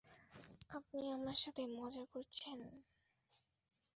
আপনি আমার সাথে মজা করছেন?